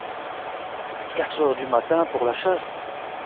À quatre heures du matin… pour la chasse !